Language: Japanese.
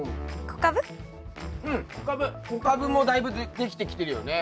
小カブもだいぶできてきてるよね。